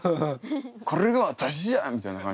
「これが私じゃ！」みたいな感じ。